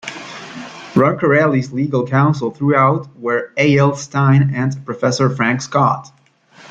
Roncarelli's legal counsel throughout were A. L. Stein and Professor Frank Scott.